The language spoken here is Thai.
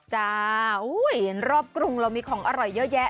เห็นรอบกรุงเรามีของอร่อยเยอะแยะ